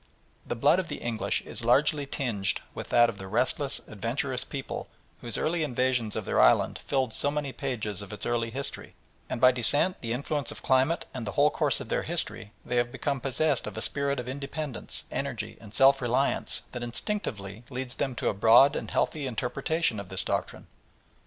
The blood of the English is largely tinged with that of the restless, adventurous peoples whose early invasions of their island fill so many pages of its early history, and by descent, the influence of climate, and the whole course of their history they have become possessed of a spirit of independence, energy, and self reliance that instinctively leads them to a broad and healthy interpretation of this doctrine.